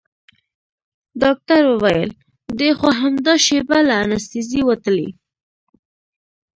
ډاکتر وويل دى خو همدا شېبه له انستيزي وتلى.